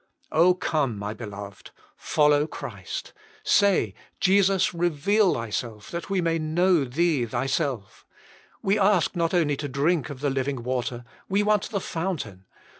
Oh come, my beloved! Follow Christ. Say, '^ Jesus, reveal Thyself that we may know Thee Thyself. We ask not only to drink of the living water, we want the fountain.